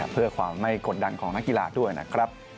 เพื่อความไม่กดดันของนักกีฬาด้วยนะครับ